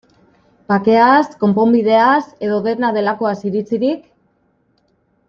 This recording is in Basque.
Bakeaz, konponbideaz, edo dena delakoaz iritzirik?